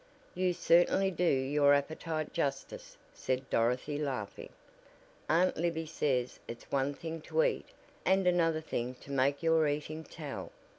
"You certainly do your appetite justice," said Dorothy laughing. "Aunt Libby says it's one thing to eat, and another thing to make your eating 'tell.'